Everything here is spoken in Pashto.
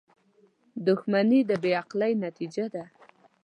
• دښمني د بې عقلۍ نتیجه ده.